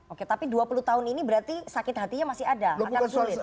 oke tapi dua puluh tahun ini berarti sakit hatinya masih ada akan sulit